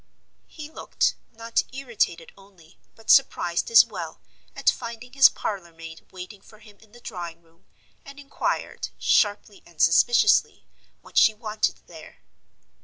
He looked, not irritated only, but surprised as well, at finding his parlor maid waiting for him in the drawing room, and inquired, sharply and suspiciously, what she wanted there?